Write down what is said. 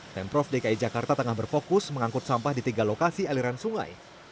pemprov dki jakarta tengah berfokus mengangkut sampah di tiga lokasi aliran sungai